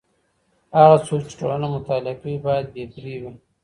هغه څوک چي ټولنه مطالعه کوي بايد بې پرې وي.